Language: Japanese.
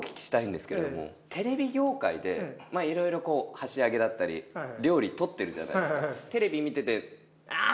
テレビ業界でまぁいろいろこう箸上げだったり料理撮ってるじゃないですかテレビ見てて。